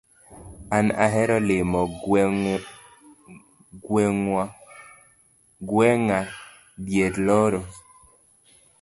an ahero limo gweng'a diere loro.